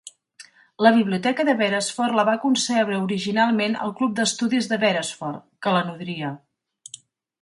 La biblioteca de Beresford la va concebre originalment el Club d'Estudis de Beresford , que la nodria.